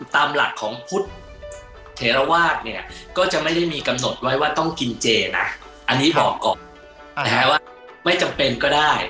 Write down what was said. ตามหลักของพุทธเถระวาสเนี่ยก็จะไม่ได้มีกำหนดไว้ว่าต้องกินเจนะอันนี้บอกก่อนนะฮะว่าไม่จำเป็นก็ได้